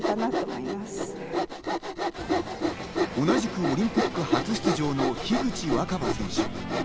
同じくオリンピック初出場の樋口新葉選手。